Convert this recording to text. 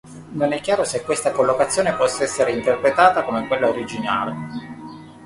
Non è chiaro se questa collocazione possa essere interpretata come quella originale.